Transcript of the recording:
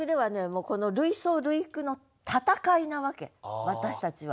もうこの類想類句の戦いなわけ私たちは。